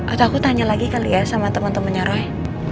atau aku tanya lagi kali ya sama teman temannya roy